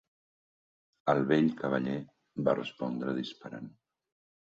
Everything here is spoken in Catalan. El vell cavaller va respondre disparant.